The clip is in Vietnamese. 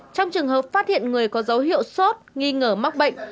trong trường hợp phát hiện người có dấu hiệu sốt nghi ngờ mắc bệnh